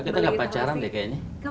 kita gak pacaran deh kayaknya